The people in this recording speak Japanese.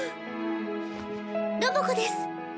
ロボ子です。